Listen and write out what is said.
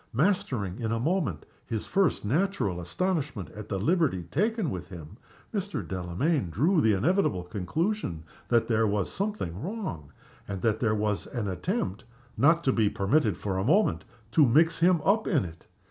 Mastering in a moment his first natural astonishment at the liberty taken with him, Mr. Delamayn drew the inevitable conclusion that there was something wrong, and that there was an attempt (not to be permitted for a moment) to mix him up in it.